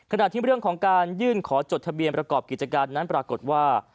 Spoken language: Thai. ขณะที่เรื่องของการยื่นขอจดทะเบียนประกอบกิจการนั้นปรากฏว่า